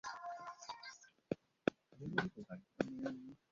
মৌলভী তো তাই।